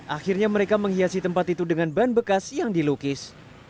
akhirnya mereka menghiasi tempat itu dengan ban bekas yang dilukis